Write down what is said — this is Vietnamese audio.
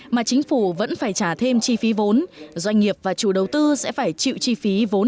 mà chính phủ vẫn phải trả thêm chi phí vốn doanh nghiệp và chủ đầu tư sẽ phải chịu chi phí vốn